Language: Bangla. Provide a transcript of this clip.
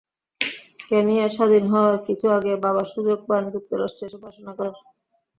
কেনিয়া স্বাধীন হওয়ার কিছু আগে বাবা সুযোগ পান যুক্তরাষ্ট্রে এসে পড়াশোনা করার।